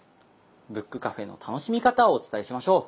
ブックカフェの楽しみ方をお伝えしましょう！